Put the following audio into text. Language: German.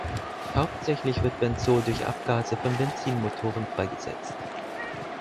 Hauptsächlich wird Benzol durch Abgase von Benzinmotoren freigesetzt.